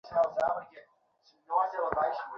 হ্যাঁঁ আপনি তো যুবতী।